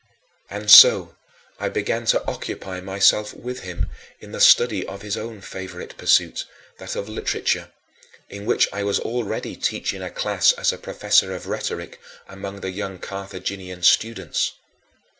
And so I began to occupy myself with him in the study of his own favorite pursuit, that of literature, in which I was already teaching a class as a professor of rhetoric among the young Carthaginian students.